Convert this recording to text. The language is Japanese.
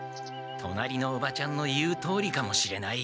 隣のおばちゃんの言うとおりかもしれない。